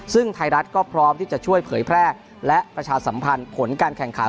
ซึ่งไทยรัฐก็พร้อมที่จะช่วยเผยแพร่และประชาสัมพันธ์ผลการแข่งขัน